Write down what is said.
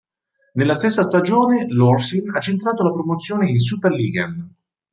Nella stessa stagione, l'Horsen ha centrato la promozione in Superligaen.